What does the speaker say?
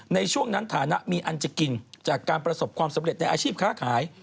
ในช่วงนั้นฐานะมีอันจะกินจากการประสบความสำเร็จในอาชีพค้าขาย